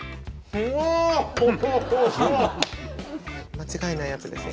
間違いないやつですよ。